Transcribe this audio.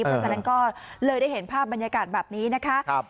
เพราะฉะนั้นก็เลยได้เห็นภาพบรรยากาศแบบนี้นะคะ